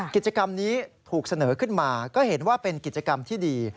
กิจกรรมนี้ถูกเสนอขึ้นมาก็เห็นว่าเป็นกิจกรรมที่ดี